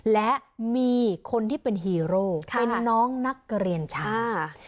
และมีคนที่เป็นฮีโร่เป็นน้องนักเรียนชาย